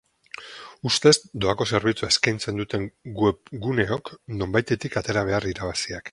Ustez doako zerbitzua eskaitzen duten webguneok nonbaitetik atera behar irabaziak.